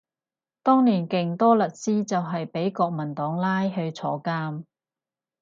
當年勁多律師就係畀國民黨拉去坐監